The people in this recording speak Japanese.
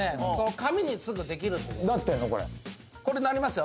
紙にすぐできるこれなりますよ